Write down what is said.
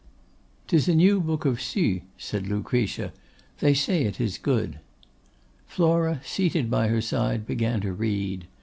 ''Tis a new book of Sue,' said Lucretia. 'They say it is good.' Flora, seated by her side, began to read.